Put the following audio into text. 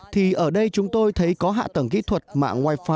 thì ở đây chúng tôi thấy có hạ tầng kỹ thuật mạng wi fi khá nhanh